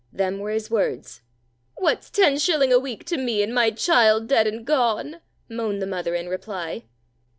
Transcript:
Them were his words." "What's ten shilling a week to me, and my child dead and gone?" moaned the mother, in reply.